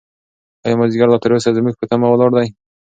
ایا مازیګر لا تر اوسه زموږ په تمه ولاړ دی؟